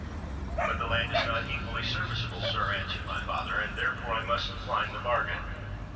'—'But the land is not equally serviceable, sir,' answered my father, 'and therefore I must decline the bargain.